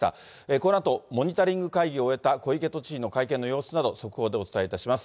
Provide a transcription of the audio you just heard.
このあと、モニタリング会議を終えた小池都知事の会見の様子など、速報でお伝えいたします。